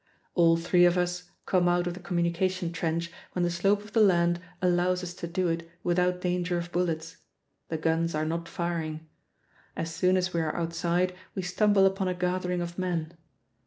All three of us come out of the communication trench when the slope of the land allows us to do it without danger of bullets the guns are not firing. As soon as we are outside we stumble upon a gathering of men.